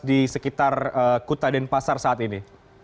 di sekitar kuta denpasar saat ini